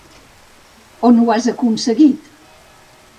On ho has aconseguit?